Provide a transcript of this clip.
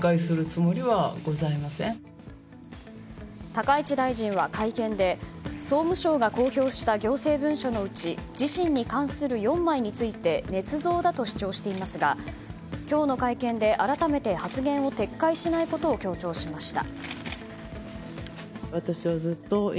高市大臣は会見で総務省が公表した行政文書のうち自身に関する４枚についてねつ造だと主張していますが今日の会見で改めて発言を撤回しないことを強調しました。